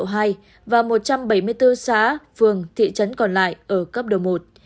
tình hình dịch bệnh tại phú thọ hiện tại còn một xã phường thị trấn còn lại ở cấp độ một